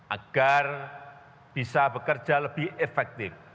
agar bisa bekerja lebih efektif